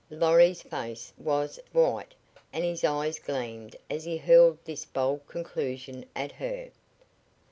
Lorry's face was white and his eyes gleamed as he hurled this bold conclusion at her.